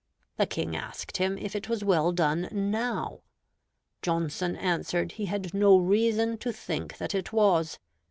The King asked him if it was well done now. Johnson answered he had no reason to think that it was.